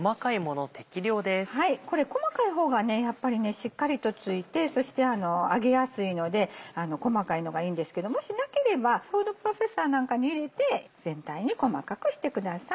これ細かい方がやっぱりねしっかりと付いてそして揚げやすいので細かいのがいいんですけどもしなければフードプロセッサーなんかに入れて全体に細かくしてください。